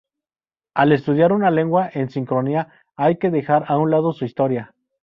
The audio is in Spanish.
Al estudiar una lengua en sincronía hay que dejar a un lado su historia.